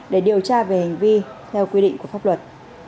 để điều tra về hành vi theo quy định của pháp luật